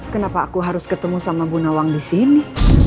kenapa aku harus ketemu sama bu nawang disini